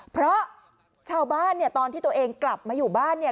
เพราะชาวบ้านเนี่ยตอนที่ตัวเองกลับมาอยู่บ้านเนี่ย